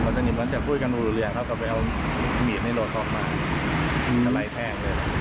บัจชานิบมันจะพูดกันภูมิเลยอ่ะพี่หลายแทง